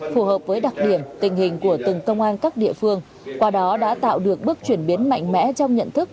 phù hợp với đặc điểm tình hình của từng công an các địa phương qua đó đã tạo được bước chuyển biến mạnh mẽ trong nhận thức